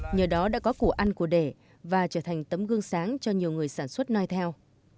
nhờ đó đã có củ ăn của đẻ và trở thành tấm gương sáng cho nhiều người sản xuất nơi theo